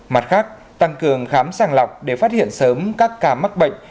mặt khác tăng cường khám sàng lọc để phát hiện sớm các ca mắc bệnh